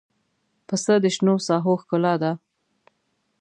پسه د شنو ساحو ښکلا ده.